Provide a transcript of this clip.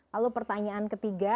lalu pertanyaan ketiga